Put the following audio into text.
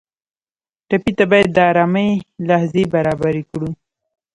ټپي ته باید د ارامۍ لحظې برابرې کړو.